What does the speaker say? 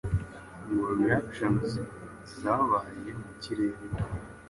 Ngo Reactions zabaye mu kirere